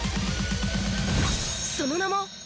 その名も。